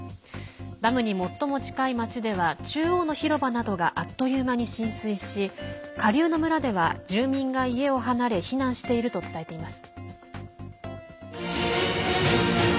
ダムに最も近い町では中央の広場などがあっという間に浸水し下流の村では、住民が家を離れ避難していると伝えています。